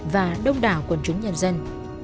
và đông đảo quần chúng nhân dân